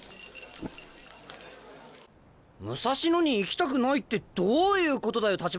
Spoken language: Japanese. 武蔵野に行きたくないってどういうことだよ？